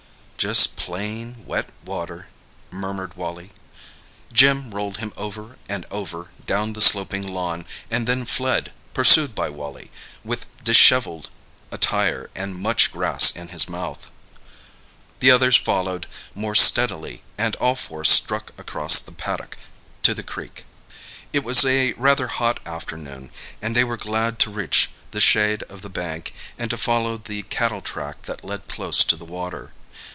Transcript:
"Just plain, wet water," murmured Wally. Jim rolled him over and over down the sloping lawn, and then fled, pursued by Wally with dishevelled attire and much grass in his mouth. The others followed more steadily, and all four struck across the paddock to the creek. It was a rather hot afternoon, and they were glad to reach the shade of the bank and to follow the cattle track that led close to the water.